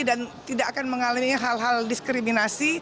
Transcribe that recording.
dan tidak akan mengalami hal hal diskriminasi